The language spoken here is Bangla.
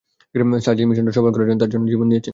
সার্জ এই মিশনটা সফল করার জন্য তার জীবন দিয়েছেন!